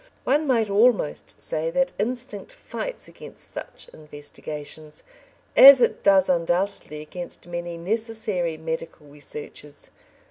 One might almost say that instinct fights against such investigations, as it does undoubtedly against many necessary medical researches.